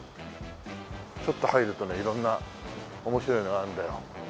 ちょっと入るとね色んな面白いのがあるんだよ。